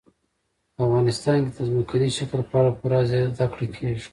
په افغانستان کې د ځمکني شکل په اړه پوره زده کړه کېږي.